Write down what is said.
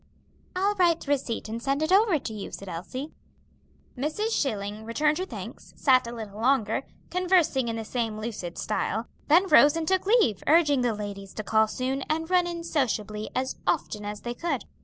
"I'll write the receipt and send it over to you," said Elsie. Mrs. Schilling returned her thanks, sat a little longer, conversing in the same lucid style, then rose and took leave, urging the ladies to call soon, and run in sociably as often as they could.